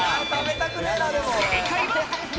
正解は。